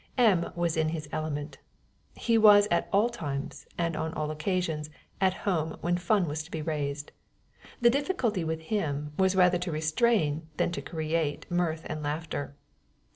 M. was in his element. He was at all times and on all occasions at home when fun was to be raised: the difficulty with him was rather to restrain than to create mirth and laughter.